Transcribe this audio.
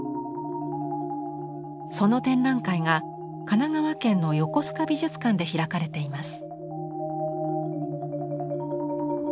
その展覧会が神奈川県の横須賀美術館で開かれています。